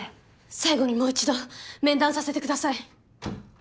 最後にもう一度面談させてください。